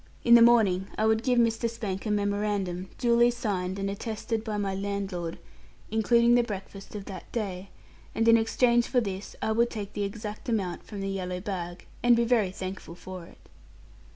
In the morning I would give Mr. Spank a memorandum, duly signed, and attested by my landlord, including the breakfast of that day, and in exchange for this I would take the exact amount from the yellow bag, and be very thankful for it.